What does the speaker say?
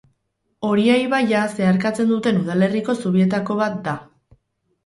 Oria ibaia zeharkatzen duten udalerriko zubietako bat da.